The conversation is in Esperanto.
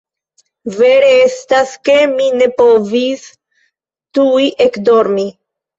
Vere estas, ke mi ne povis tuj ekdormi.